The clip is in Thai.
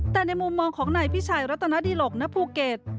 แต่ในมุมมองของนายพิชัยรัตนดิหลกณภูเก็ต